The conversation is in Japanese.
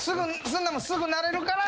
「すぐ慣れるから」